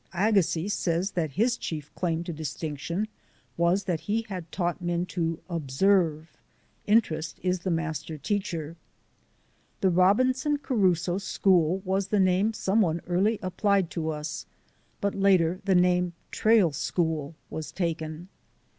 Agassiz said that his chief claim to distinction was that he had taught men to observe. Interest is the master teacher. The Robinson Crusoe School was the name some one early applied to us, but later the name Trail School was taken.